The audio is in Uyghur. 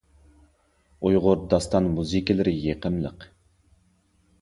ئۇيغۇر داستان مۇزىكىلىرى يېقىملىق.